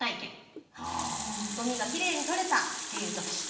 ゴミがきれいに取れたっていう時。